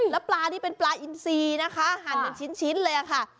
แล้วปลานี่เป็นปลาอินซีนะคะหั่นเป็นชิ้นเลยค่ะ